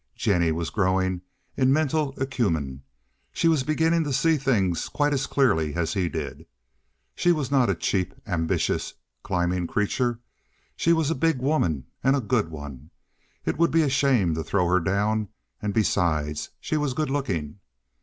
Jennie was growing in mental acumen. She was beginning to see things quite as clearly as he did. She was not a cheap, ambitious, climbing creature. She was a big woman and a good one. It would be a shame to throw her down, and besides she was good looking.